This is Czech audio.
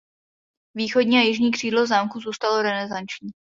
Východní a jižní křídlo zámku zůstalo renesanční.